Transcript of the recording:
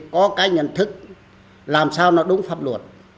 có cái nhận thức làm sao nó đúng pháp luật